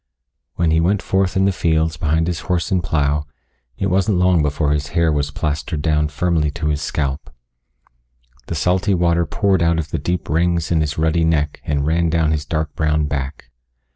When he went forth in the fields behind his horse and plow, it wasn't long before his hair was plastered down firmly to his scalp. The salty water poured out of the deep rings in his ruddy neck and ran down his dark brown back.